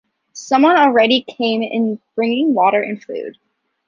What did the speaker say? Someone already came in bringing water and food.